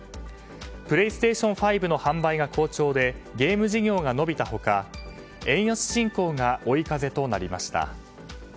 プレイステーション５の販売が好調でゲーム事業が伸びた他円安進行が追い風となりました。